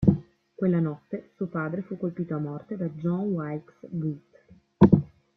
Quella notte, suo padre fu colpito a morte da John Wilkes Booth.